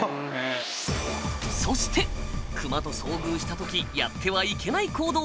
そしてクマと遭遇した時やってはいけない行動